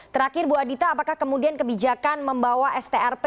terakhir bu adita apakah kemudian kebijakan membawa strp